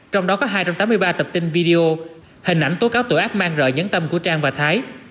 trong đó có hai trăm tám mươi ba tập tin video hình ảnh tố cáo tội ác mang rời nhấn tâm của trang và thái